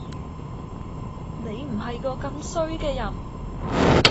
你唔係個咁衰嘅人！